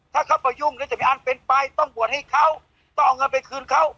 ถ้าเขาไปยุ่งแล้วจะมีอันเป็นไปต้องบวชให้เขาต้องเอาเงินไปคืนเขา